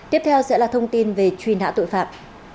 tiếp theo sẽ là thông tin về truy nã tội phạm